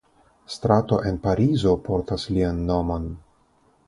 Strato en Parizo portas lian nomon.